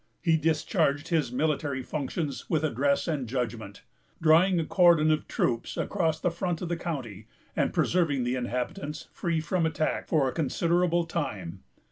He discharged his military functions with address and judgment, drawing a cordon of troops across the front of the county, and preserving the inhabitants free from attack for a considerable time.